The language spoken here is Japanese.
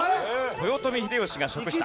豊臣秀吉が食した。